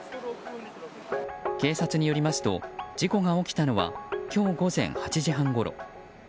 警察によりますと事故が起きたのは今日午前８時半ごろ。